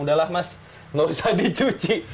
udahlah mas nggak usah dicuci